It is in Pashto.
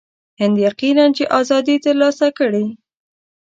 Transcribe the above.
هند یقیناً چې آزادي ترلاسه کړي.